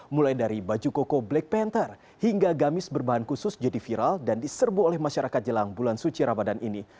mulai dari baju koko black panther hingga gamis berbahan khusus jadi viral dan diserbu oleh masyarakat jelang bulan suci ramadan ini